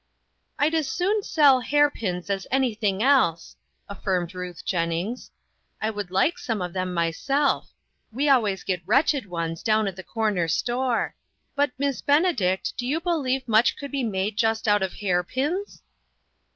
" I'd as soon sell hair pins as anything else," affirmed Ruth Jennings. " I would like some of them myself; we always get wretched ones down at the corner store. But, Miss Benedict, do you believe much could be made just out of hair pins